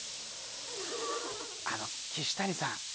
あの岸谷さん